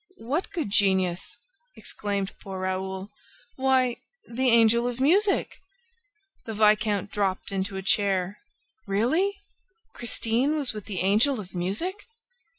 "What good genius?" exclaimed poor Raoul. "Why, the Angel of Music!" The viscount dropped into a chair. Really? Christine was with the Angel of Music?